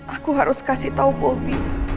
aku harus kasih tau bobby